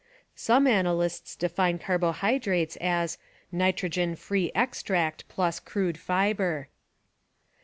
Some analy sists define carbohydrates as "nitrogen free extract plus crude fiber."